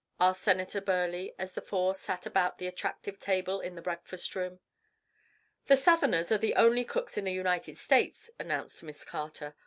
asked Senator Burleigh, as the four sat about the attractive table in the breakfast room. "The Southerners are the only cooks in the United States," announced Miss Carter.